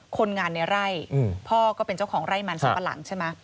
คนงานในไร่พ่อก็เป็นเจ้าของไร่มันสัมปะหลังใช่ไหม